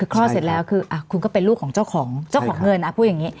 คลอดเสร็จแล้วคือคุณก็เป็นลูกของเจ้าของเจ้าของเงินพูดอย่างนี้